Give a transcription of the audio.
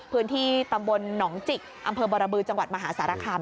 พื้นที่ตำบลหนองจิกอำเภอบรบือจังหวัดมหาสารคาม